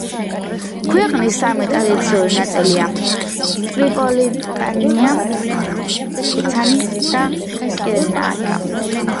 ქვეყნის სამი ტრადიციული ნაწილია: ტრიპოლიტანია, ფეცანი და კირენაიკა.